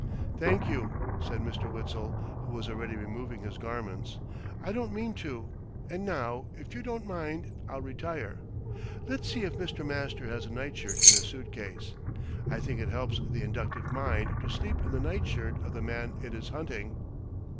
"Thank you," said Mr. Witzel, who was already removing his garments. "I don't mean to. And now, if you don't mind, I'll retire. Let's see if Mr. Master has a night shirt in his suitcase. I think it helps the inductive mind to sleep in the night shirt of the man it is hunting."